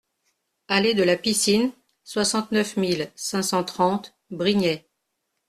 Allée de la Piscine, soixante-neuf mille cinq cent trente Brignais